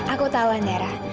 aku tahu andara